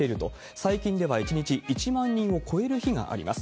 最近では１日１万人を超える日があります。